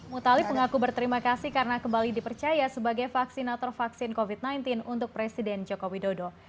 mutalib mengaku berterima kasih karena kembali dipercaya sebagai vaksinator vaksin covid sembilan belas untuk presiden joko widodo